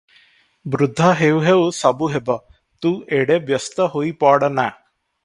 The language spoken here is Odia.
ବୃଦ୍ଧ-ହେଉ ହେଉ, ସବୁ ହେବ, ତୁ ଏଡେ ବ୍ୟସ୍ତ ହୋଇ ପଡ଼ ନା ।